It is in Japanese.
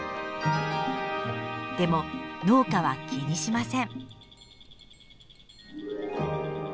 でも農家は気にしません。